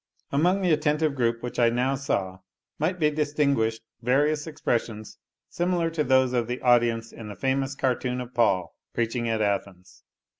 Among the attentive group which I now saw, might be distinguished various expressions similar to those of the audience in the famous cartoon of Paul preaching at Athens.